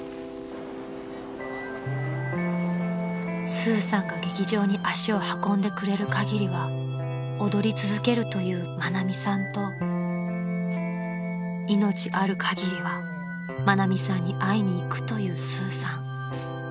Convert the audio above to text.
［スーさんが劇場に足を運んでくれるかぎりは踊り続けるという愛美さんと命あるかぎりは愛美さんに会いに行くというスーさん］